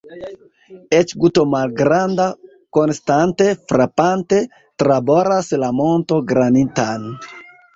Eĉ guto malgranda, konstante frapante, traboras la monton granitan.